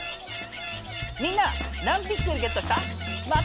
みんな何ピクセルゲットした？